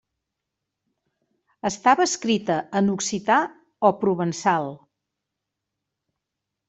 Estava escrita en occità o provençal.